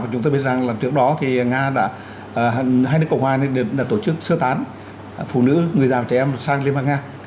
chúng tôi biết rằng trước đó thì nga đã hai nước cộng hòa đã tổ chức sơ tán phụ nữ người già và trẻ em sang liên bang nga